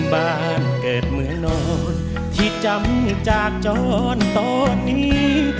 บ้านเกิดเหมือนนอนที่จำจากจรตอนนี้